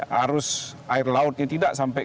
harus air lautnya tidak sampai